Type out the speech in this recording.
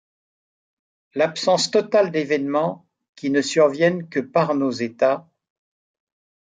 L’absence totale d’événements qui ne surviennent que par nos états.